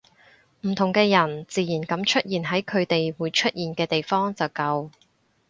唔同嘅人自然噉出現喺佢哋會出現嘅地方就夠